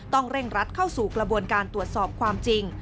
เร่งรัดเข้าสู่กระบวนการตรวจสอบความจริง